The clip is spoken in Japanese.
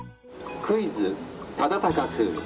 「クイズ忠敬通」。